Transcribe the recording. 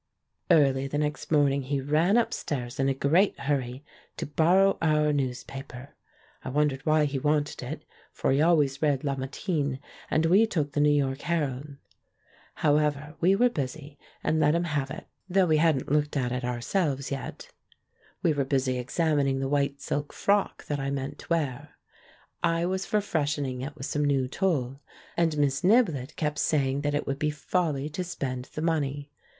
Early the next morning he ran upstairs in a great hurry to borrow our newspaper. I won dered why he wanted it, for he always read JLe 3Iatin, and we took The New York Herald. However, we were busy, and let him have it, though we hadn't looked at it ourselves yet. We THE PRINCE IN THE FAIRY TALE 215 were busy examining the white silk frock that I meant to wear. I was for freshening it with some new tulle, and Miss Niblett kept saying that it would be folly to spend the money.